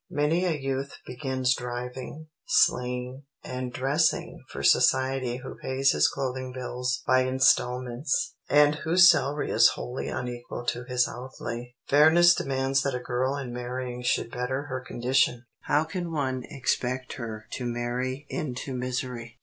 Many a youth begins driving, sleighing, and dressing for society who pays his clothing bills by instalments, and whose salary is wholly unequal to his outlay. Fairness demands that a girl in marrying should better her condition. How can one expect her to marry into misery?